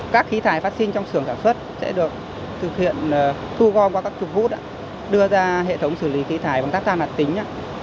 các khí thải phát sinh trong sưởng thảo xuất sẽ được thực hiện thu gom qua các chục vút đưa ra hệ thống xử lý khí thải bằng thác tham hạt tính